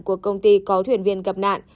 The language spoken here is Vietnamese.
của công ty có thuyền viên gặp nạn